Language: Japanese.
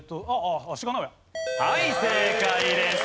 はい正解です！